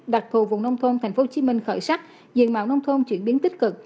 đặc thù vùng nông thôn tp hcm khởi sắc diện mạo nông thôn chuyển biến tích cực